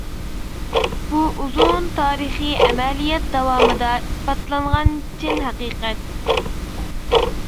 بۇ ئۇزۇن تارىخىي ئەمەلىيەت داۋامىدا ئىسپاتلانغان چىن ھەقىقەت!